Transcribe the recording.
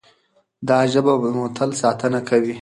دا ژبه به مو تل ساتنه کوي.